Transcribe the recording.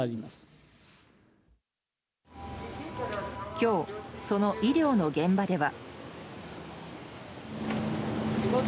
今日、その医療の現場では。